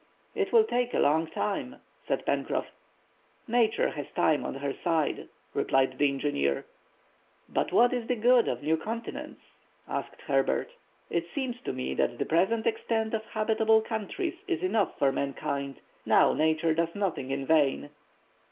"It will take a long time," said Pencroff. "Nature has time on her side," replied the engineer. "But what is the good of new continents?" asked Herbert. "It seems to me that the present extent of habitable countries is enough for mankind. Now Nature does nothing in vain."